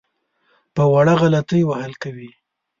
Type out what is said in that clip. په وړه غلطۍ وهل کوي.